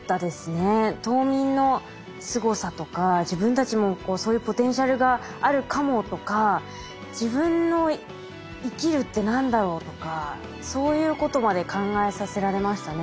冬眠のすごさとか自分たちもそういうポテンシャルがあるかもとか自分の生きるって何だろうとかそういうことまで考えさせられましたね